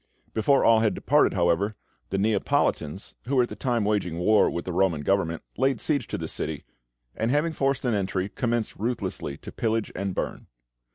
Before all had departed, however, the Neapolitans, who were at that time waging war with the Roman Government, laid siege to the city, and having forced an entry, commenced ruthlessly to pillage and burn.